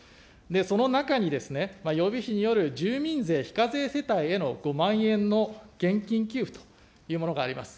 その中に、予備費による住民税非課税世帯への５万円の現金給付というものがあります。